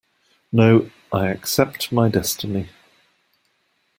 No, I accept my destiny.